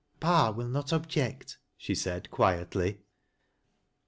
"Papa will not object," she said, quietly.